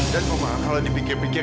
dan oma kalau dipikir pikir